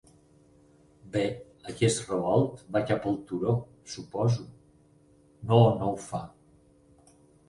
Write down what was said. Bé, aquest revolt va cap al turó, suposo... no, no ho fa.